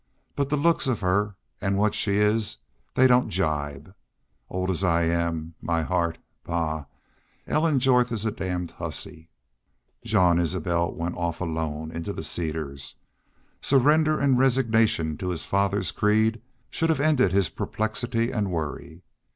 But the looks of her an' what she is they don't gibe. Old as I am, my heart Bah! Ellen Jorth is a damned hussy!" Jean Isbel went off alone into the cedars. Surrender and resignation to his father's creed should have ended his perplexity and worry.